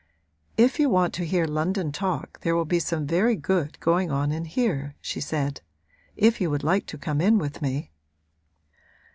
'If you want to hear London talk there will be some very good going on in here,' she said. 'If you would like to come in with me